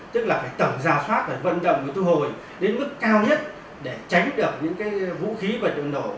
tức là phải tẩm rào soát vận động thu hồi đến mức cao nhất để tránh được những vũ khí vật liệu nổ